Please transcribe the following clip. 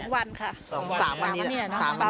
๒วันค่ะ๓วันนี้ค่ะ